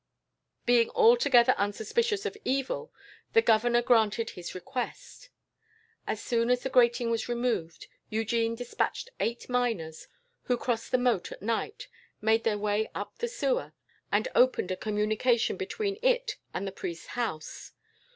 Being altogether unsuspicious of evil, the governor granted his request. "As soon as the grating was removed, Eugene despatched eight miners, who crossed the moat at night, made their way up the sewer, and opened a communication between it and the priest's house.